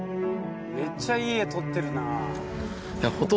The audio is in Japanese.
めっちゃいい画撮ってるな。